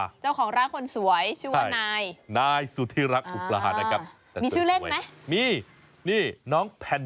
เจ้าของร้านคนสวยชื่อว่านาย